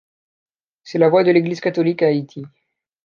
C'est la voix de l'Église catholique à Haïti.